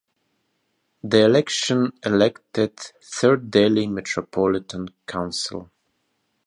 The election elected Third Delhi Metropolitan Council.